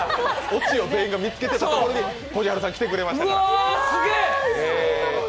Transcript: オチを全員が見つけていたところにこじはるさんが来てくれましたから。